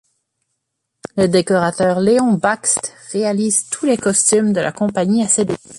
Le décorateur Léon Bakst réalise tous les costumes de la compagnie à ses débuts.